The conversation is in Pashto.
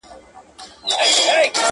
خدايه زما پر ځای ودې وطن ته بل پيدا که~